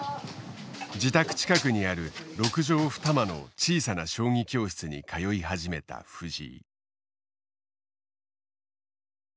自宅近くにある６畳２間の小さな将棋教室に通い始めた藤井。